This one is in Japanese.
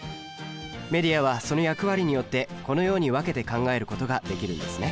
メディアはその役割によってこのように分けて考えることができるんですね。